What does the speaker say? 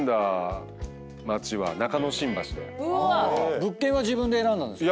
物件は自分で選んだんですか？